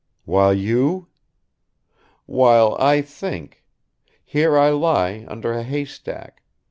." "While you?" "While I think; here I lie under a haystack